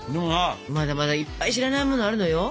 まだまだいっぱい知らないものあるのよ。